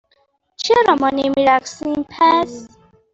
چرا ما نمی رقصیم، پس؟